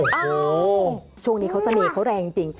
โอ้โหช่วงนี้เขาเสน่ห์เขาแรงจริง